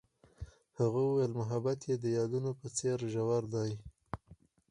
هغې وویل محبت یې د یادونه په څېر ژور دی.